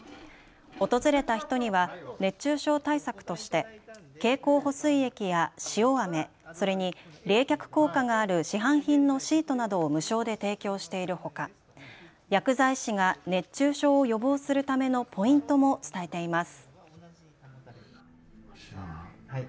訪れた人には熱中症対策として経口補水液や塩あめ、それに冷却効果がある市販品のシートなどを無償で提供しているほか薬剤師が熱中症を予防するためのポイントも伝えています。